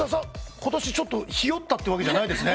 ことしちょっとひよったってわけじゃないですね？